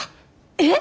えっ！？